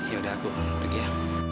ya udah aku mau pergi ya